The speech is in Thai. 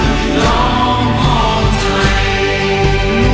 พี่น้องพองไทย